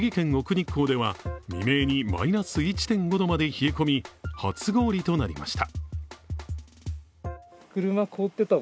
日光では未明にマイナス１．５度まで冷え込み初氷となりました。